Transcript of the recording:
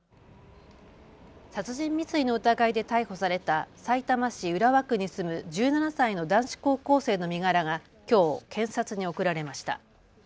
殺人未遂の疑いで逮捕されたさいたま市浦和区に住む１７歳の男子高校生の身柄がきょう検察に送られました。